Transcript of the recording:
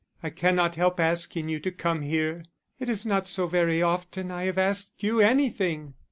I cannot help asking you to come here. It is not so very often I have asked you anything.